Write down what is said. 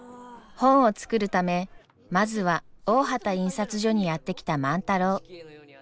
本を作るためまずは大畑印刷所にやって来た万太郎。